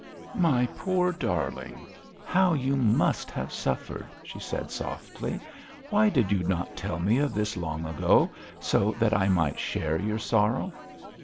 'My poor darling, how you must have suffered!' she said softly. 'Why did you not tell me of this long ago, so that I might share your sorrow?'